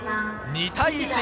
２対１。